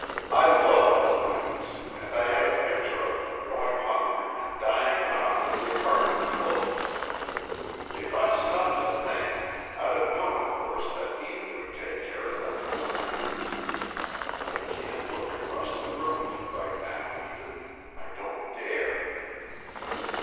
I loved the things, and I had a picture of them going hungry and dying off with the apartment closed. If I'd stopped to think, I'd have known of course that Edith would take care of them for me." _I can't look across the room at you right now, Edith; I don't dare.